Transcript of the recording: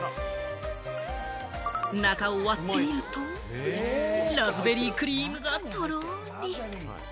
中を割ってみると、ラズベリークリームがトロリ！